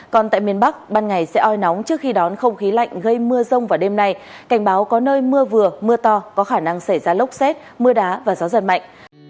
còn tại miền bắc ban ngày sẽ oi nóng trước khi đón không khí lạnh gây mưa rông vào đêm nay cảnh báo có nơi mưa vừa mưa to có khả năng xảy ra lốc xét mưa đá và gió giật mạnh